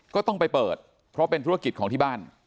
ก็ต้องไปเปิดเพราะเป็นธุรกิจของที่บ้าน